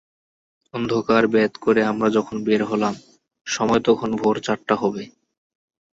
অন্ধকার ভেদ করে আমরা যখন বের হলাম, সময় তখন ভোর চারটা হবে।